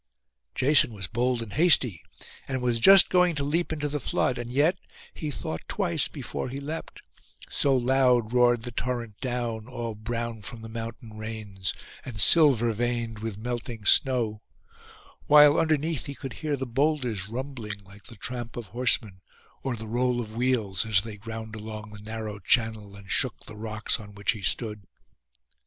Jason was bold and hasty, and was just going to leap into the flood: and yet he thought twice before he leapt, so loud roared the torrent down, all brown from the mountain rains, and silver veined with melting snow; while underneath he could hear the boulders rumbling like the tramp of horsemen or the roll of wheels, as they ground along the narrow channel, and shook the rocks on which he stood.